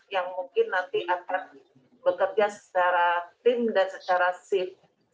yang mungkin nanti akan bekerja secara tim dan secara sim